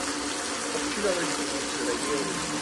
Občina leží uvnitř regionu.